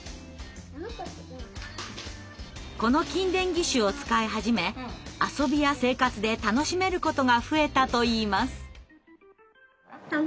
この筋電義手を使い始め遊びや生活で楽しめることが増えたといいます。